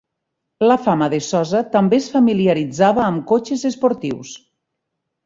La fama de Sosa també el familiaritzava amb cotxes esportius.